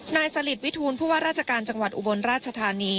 สลิดวิทูลผู้ว่าราชการจังหวัดอุบลราชธานี